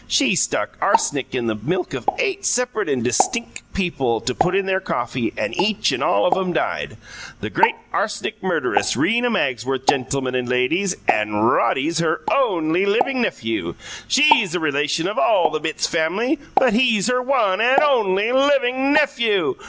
She stuck ars'nic in the milk of eight separate and distinck people to put in their coffee and each and all of 'em died. The great ars'nic murderess, Rena Magsworth, gentilmun and lay deeze, and Roddy's her only living nephew. She's a relation of all the Bitts family, but he's her one and only living nephew.